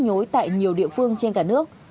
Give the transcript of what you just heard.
đối tại nhiều địa phương trên cả nước